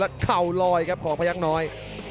และเข่าลอยครับของพยักษ์น้อย